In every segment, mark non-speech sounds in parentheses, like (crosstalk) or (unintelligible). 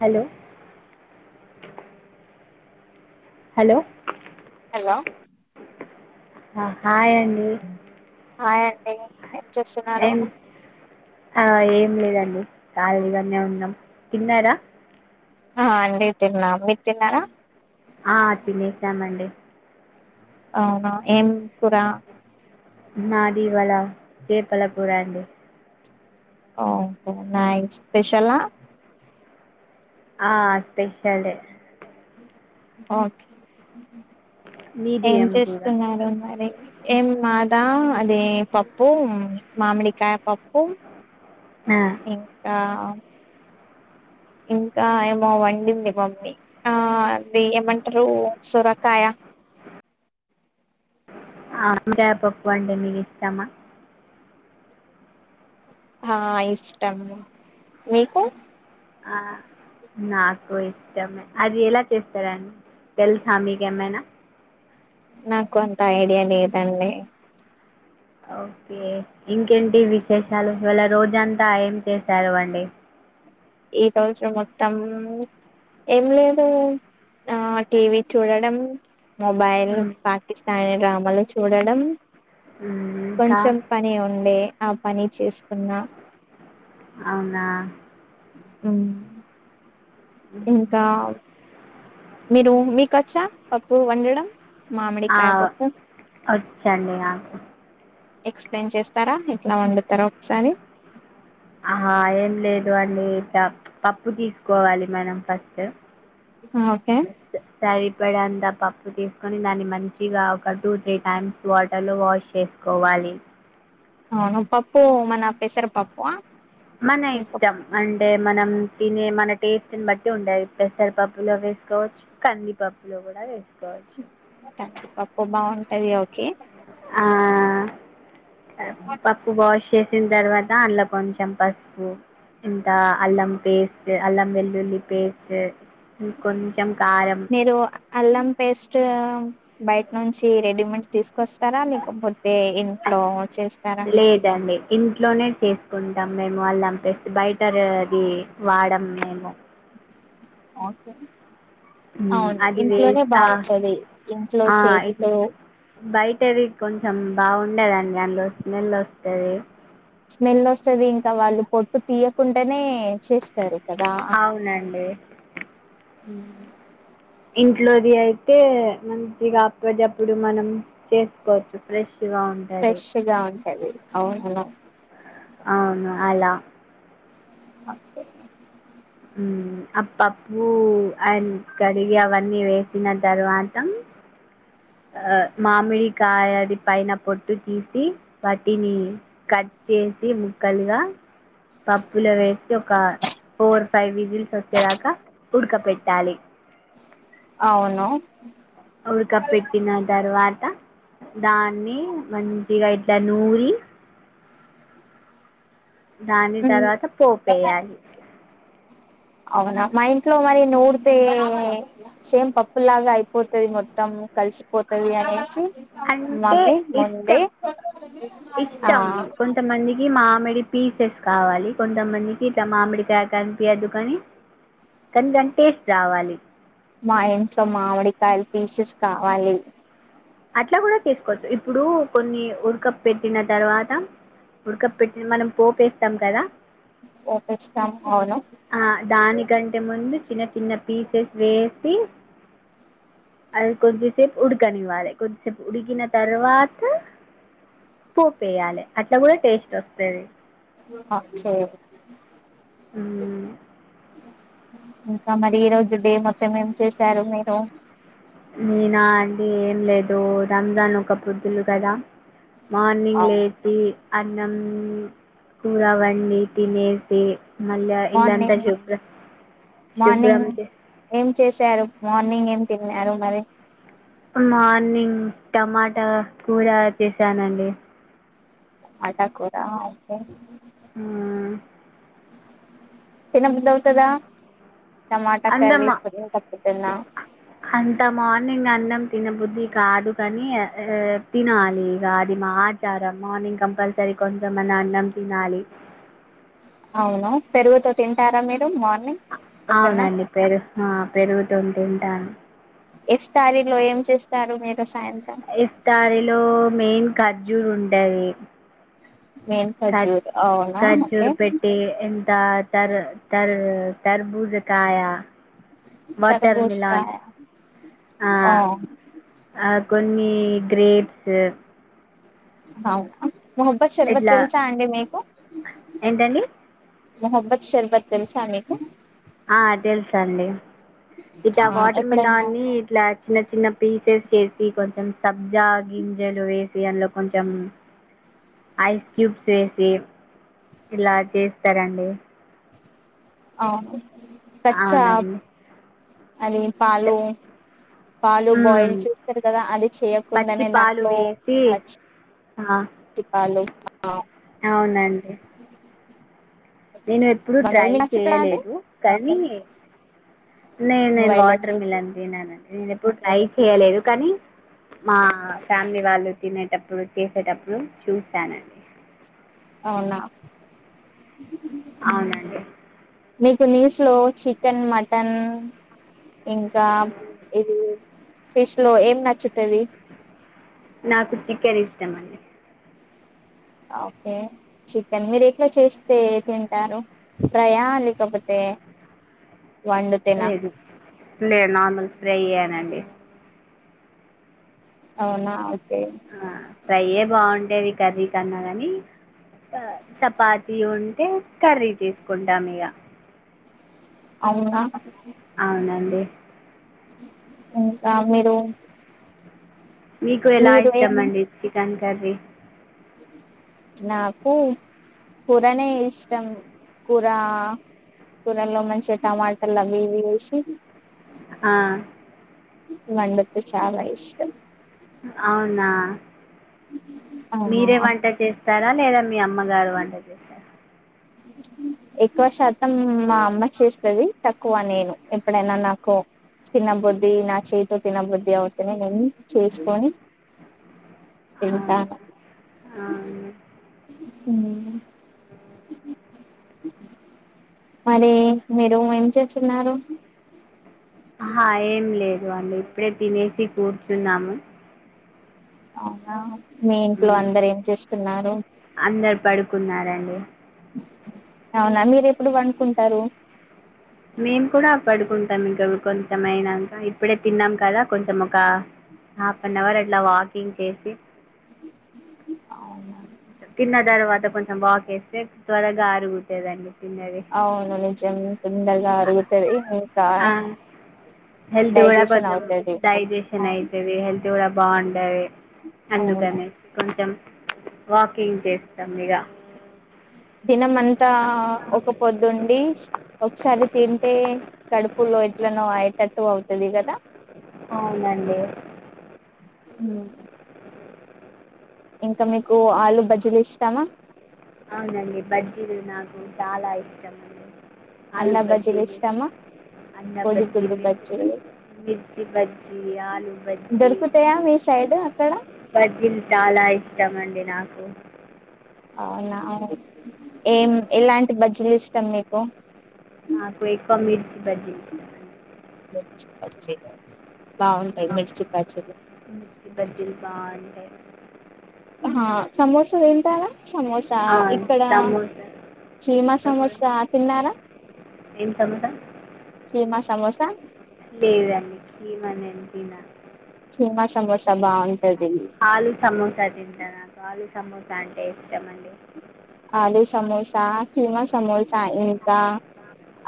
hello hello hello హ hi అయి హ హాయ్ అండి ఏం చేస్తున్నారు ఏం ఆ ఏం లేదండి రా (unintelligible) ఉన్నా తిన్నరా ఆ అండి తిన్నా మీరు తిన్నారా ఆ తినేసామండి అవునా ఏం కూరా నాది ఇవాళ చేపల కూర అండి ఓకే నై స్పెషలా ఆ స్పెషాలే ఓకే మీది ఏం కూర చేస్తున్నారు మరి ఏ మాదా అదే పప్పు మామిడికాయ పప్పు ఆ, ఇంకా ఇంకా ఏమో వండింది మమ్మీ ఆ అది ఏమంటారు సొరకాయ ఆనపకాయ పప్పు అంటే మీకు ఇష్టమా ఆ ఇష్టము మీకు ఆ నాకు ఇష్టమే అది ఎలా చేస్తారాండి తెలుసా మీకేమైనా నాకు అంత ఐడియా లేదండి ఓకే ఇంకేంటి విశేషాలు ఇవళ రోజంతా ఏం చేశారు అండి ఈ రోజు మొత్తం ఏం లేదు ఆ టీవీ చూడడం మొబైల్ ఉమ్, పాకిస్ అయి డ్రామాలు చూడడం ఉమ్, ఇంకా కొంచెం పని ఉంది ఆ పని చేసుకున్నా అవునా హ్మ్ ఇంకా మీరు మీకు కోచ్చా పప్పు వండడం మామిడికాయ ఆవ్ పప్పు వచ్చండి నాకు ఎక్స్ప్లెయిన్ చేస్తారా ఎట్లా వండుతారొ ఒకసారి ఆ ఏం లేదు అండి పప్పు తీసుకోవాలి మనం ఫస్ట్ ఓకే సరి పడేంత పప్పు తీసుకొని దాన్ని మంచిగా ఒక టూ త్రీ టైమ్స్ వాటర్లో వాష్ చేసుకోవాలి అవును పప్పు మన పసర పప్పు అ మన ఇష్టం అంటే మనం దీని మన టేస్ట్ ని బట్టి ఉండేది పెసర పప్పులో వేసుకోవచ్చు కందిపప్పు లో కూడా వేసుకో కాస్త పప్పు బావుంట్ అది ఓకే ఆ పప్పు వాష్ చేసిన తర్వాత అందులో కొంచెం పసుపు ఇంత అల్లం పేస్ట్ అల్లం వెల్లుల్లి పేస్ట్ కొంచెం కారం మీరు అల్లం పేస్ట్ బయట నుంచి రెడీమేడ్ తీసుకు కొస్తారా లేకపోతే ఇంట్లో చేస్తారా లేదండి ఇంట్లోనే చేసుకుంటాం మేము వాళ్ళు అంపిస్త బయట అది వాడం మేము ఓకే మ్ అవును అది ఇంట్లోనే వేస్తా బాగుంటది ఇంట్లో ఆ చేతితో బయటది కొం కొంచం బావుండదండి అందులో స్మెల్ వస్తది స్మెల్ వస్తుది ఇంకా వాళ్ళు పొట్టు తీయకుంటనే క (unintelligible) చేస్తారు కదా అ అవునండి ఇంట్లోది అయితే మంచిగా అప్పడిదప్పుడు మనం చేసుకోవచ్చు ఫ్రెష్ తుగా ఉంటది టది అవును అలా అవును అలా అే మ్ ఆ పప్పూ అండ్ కడిగి అవన్నీ వేసిన తర్వాత ఆ మామిడి కాయది పైన పొట్టు తీసి వాటిని కట్ చేసి ముక్కలుగా పప్పులో వేసి ఒక ఫోర్ ఫైవ్ విజిల్స్ వచ్చేదాకా ఉడక పెట్టాలి అవును ఉడక పెట్టిన తారువా త దాన్ని మంచిగా ఇట్ల నూరి దాని ఉమ్, తర్వాత పోపేయ్యాలి అవునా మా ఇంట్లో మరి నూడితే సేమ్ పప్పులాగా అయిపోతది మొత్తం కలిసిపోతది అనేసి అంటే మమ్మీ ముందే ఇష్టం ఆ ఇష్టం కొంతమందికి మామిడి పీసెస్ కావాలి కొంతమందికి ఇట్ట మామిడికాయ కనిపియదు కానీ కాని దాని టేస్ట్ రావాలి మా ఇంట్లో మామిడికాయల్ పీసెస్ కావాలి అట్లా కూడా చేసుకోవచ్చు ఇప్పుడు కొన్ని ఉడక పెట్టిన తర్వాత ఉడక పెట్టిన మనం పోపేస్తాం కదా ఓపిస్తాం అవును ఆ దానికంటే ముందు చిన్న చిన్న పీసెస్ వేసి అది కొంచెం సేపు ఉడకనివ్వాలి కొద్దిసేపు ఉడికిిన తర్వాత పోపేయాలి అట్లా కూడా టేస్ట్ వస్తది ఆ సే ఉమ్మ్ ఇంకా మరి ఈ రోజు డే మొత్తం ఏం చేశారు మీరు నేనా అండి ఏం లేదు రంజాన్ ఒక్కపొద్దులు కదా మార్నింగ్ లేపి అన్నం కూర వండి తినేసి మళ్ళ ఇల్లంతా మార్నింగ్ శుభ్ర మార్నింగ్ శుభ్రం చే ఏం చేశారు మార్నింగ్ ఏం తిన్నారు మరి మార్నింగ్ టమాటా కూర చేశానండి మాటా కూరా ఓకే ఉమ్మ్ తిన బుద్దౌతదా అందమా అంత మానింగ్ అన్నం తిన బుద్ధి కాదు కాని ఆ తినాలి ఇక అది మా ఆచారం మార్నింగ్ కంపల్సరీ కొంచమన్నా అన్నం తినాలి అవునా పెరుగుతో తింటారా మీరు మార్నింగ్ పొద్దున్న అవునండి పెరు ఆ పెరుగుతోని తింటాను ఎస్టారీలో ఏం చేస్తారు మీరు సాయంత్రం ఈ తారిలో మెయిన్ ఖర్జూలు ఉంటాది మేన్ ఆ ఖజూర్ అవునా ఖర్జూ ఓకే పెటి ఇంకా దా తర తర తరబూజ కాయా వాటర్ మలాన్ తరబూజకాయ ఆ ఆ కొన్ని గ్రేప్స్ ఔ అం మొహబ్బద్ షర్బత్ ఇట్లా తెలుసా అండి మీకు ఏంటండి మొహబ్బత్ షర్భత్ తెలుసా మీకు ఆ తెలుసండి ఇట్లా ఆ వాటర్ ఎప్పుడైనా మిలాన్ ని ఇట్ల చిన్న చిన్న పీసెస్ చేసి కొన్ చం సబ్జా గింజలు వేసి అందులో కొంచెం ఐస్ క్యూబ్స్ ఏసి ఇలా చేస్తారండి ఆవును అవునండి అది పాలు పాలు బాయిల్ చేస్తారు కదా అది పచ్చి చేయకుండానే దాంట్లో పచ్చి ఆ చెప్పాల అవునండి నేను ఎప్పుడు బండలు ట్రై మీకు నచ్చుతదా అది చేయలేదు కానీ న న నువ్వు ఇలా వాటర్ చేసి మలాన్ థినన్ నేను ఎప్పుడు ట్రై చేయలేదు కానీ మా ఫ్యామిలీ వాళ్ళు తినేటప్పుడు చేసేటప్పుడు చూసానండి అవునా అవునండి మీకు నీస్లో చికెన్ మటన్ ఇంకా ఇది ఫిష్ లో ఏం నచ్చుతుంది నాకు చికెన్ ఇష్టమ అండి ఓకే చికెన్ మీరు ఎట్లా చేస్తే తింటారు ఫ్రయా లేకపోతే వండుతేనా లేదు లేదు నార్మల్ స్ప్రే ఇయ్యానండి అవునా ఓకే ఆ ప్రైయే బాగుంట వ కర్రీ కన్నా కానీ చపాతి ఉంటే కర్రీ తీసుకుంటాం ఇగా అవునా అవునండి ఇంకా మీరు మీకు ఎలా మీరు ఏం ఇస్తాంమండి ఇ జ కరి నాకు కూరనే ఇష్టం కూర కూరల్లో మంచిగా టమాటలు అవి ఇవి వేసి ఆ మండత్ చాలా ఇష్టం అవునా ఆ మీరే వంట చేస్త వస్తారా లేదా మీ అమ్మగారు వంటే చేసారు ఎక్కువ శాతం మా అమ్మ చేస్తది తక్కువ నేను ఎప్పుడైనా నాకు తిన్నబుద్దిి నా చేయితో తినబుద్ధి అవుతేనే నేను చేసుకొని ఆ, తింట ఆ, ఉ మరి మీరు ఏం చేస్తున్నారు ఆ ఏం లేదు అళ్ళీ ఇప్పుడే తినేసి కూర్చున్నాము అవునా మీ ఇంట్లో ఉమ్, అందరు ఏం చేస్తున్నారు అందరు పడుకున్నారండి అవునా మీరు ఎప్పుడు వంకుంటారు మేము కూడా పడుకుంటాం ఇంకా కొంతమైనాం ఇప్పుడే తిన్నాం కదా కొంచం ఒక హాఫ్ అన్ అవర్ అట్లా వాకింగ్ చేసి అవునా తిన్న తర్వాత కొంచెం వాాక వేస్తే త్వరగా అరుగుతుదండి అవును నిజ్యం తొందరగా అరుగుతది ఇంకా ఆ, హెల్త్ కూడా డైజెషన్ కొంచెం అవుతది అవును బాగుండది అవును అందుకనే కొంచం వాకింగ్ చేస్తాం ఇగ తినం అంతా ఒక పొద్దుండి ఒకసారి తింటే కడుపులో ఎట్లనో అయ్యేటట్టు అవుతది కదా అవునండి హు ఇంకా మీకు ఆలు బజీలు ఇష్టమా అవునండి బజ్జిలు నాక్ చాలా ఇష్టం అండి ఆలు అండా బజ్జీలు బజీలు ఇష్టమా కోడిగుడ్డు అన్నబజీలు బజ్జీలు మిర్చి బజ్జి ఆలు బజ్జి దొరుకుతాయా మీ సైడ్ అక్కడ బజ్జీలు చాలా ఇష్టమండి నాకు ఓక అవునా ఏం ఎలాంటి బడ్జెలు ఇష్టం మీకు నాకు ఎక్కువ మీర్ బజ్జి లు మిర్చి బజ్జిలు బాగుంటాయి హ సమోస తింటారా సమోసా ఇక్కడ సమోసా చీమా సమోసా తిన్నారా ఏం సమోసా చీమా సమోసా తినా చిమా సమోస బాగుంటది ఆలు సమోసా తింట నాకు ఆలు సమోసా అంటే ఇష్టం అండి ఆలు సమోసా కీమా సమోసా ఇంకా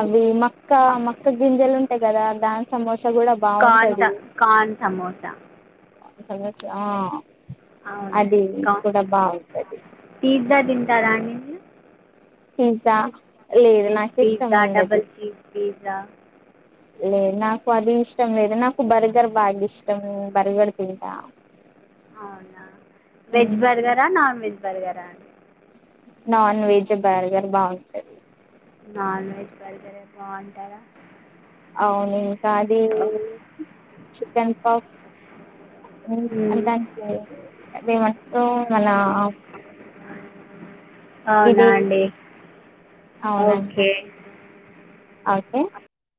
అవి మక్క మక్క గింజలు ఉంటాయి కదా దాని సమోసా కూడా కార్న్ బాగుంటది స కార్న్ సమోసా ఆ అది అవునండి కూడా బాగుంటది జ్జా దింటారండి మీరు తీస్సా rich pizza double cheese pizza లేదు నాకు అది ఇష్టం లేదు నాకు బర్గర్ బాగా ఇష్టం బర్గర్ తింట అవునా వెజ్ బర్గరా నాన్ వెజ్ బర్గారా అండి నాన్ వెజ్ బర్గర్ బాగుంటది నాన్ వెజ్ బర్గరే బాగుంటద అవును ఇంకా అది చికెన్ పాప్ అ దానికి అదేమ గాన అవ్ అవునా అండి అవునండి ఓకే ఓకే